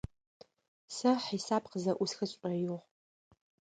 Сэ хьисап къызэӏусхы сшӏоигъу.